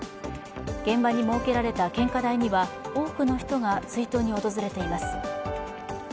現場に設けられた献花台には多くの人が追悼に訪れています。